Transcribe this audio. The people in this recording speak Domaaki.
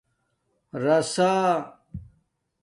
رسݳ